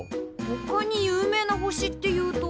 ほかに有名な星っていうと？